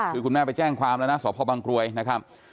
คือคุณแม่ไปแจ้งความแล้วนะสพบังกลวยนะครับ